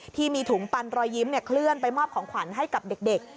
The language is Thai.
ที่มีถุงปันรอยยิ้มเคลื่อนไปมอบของขวัญให้กับเด็ก